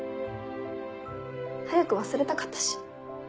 早く忘れたかったし。